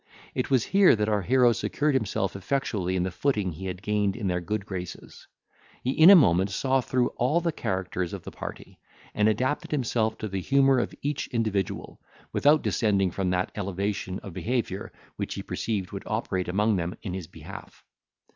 It was here that our hero secured himself effectually in the footing he had gained in their good graces. He in a moment saw through all the characters of the party, and adapted himself to the humour of each individual, without descending from that elevation of behaviour which he perceived would operate among them in his behalf.